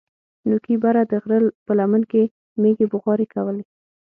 نوکي بره د غره په لمن کښې مېږې بوغارې کولې.